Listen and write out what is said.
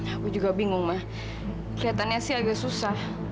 aku juga bingung ma keliatannya sih agak susah